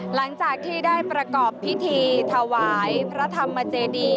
หลังจากที่ได้ประกอบพิธีถวายพระธรรมเจดี